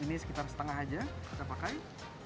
ini sekitar setengah aja kita pakai